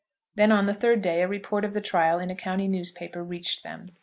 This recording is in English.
Then, on the third day, a report of the trial in a county newspaper reached them.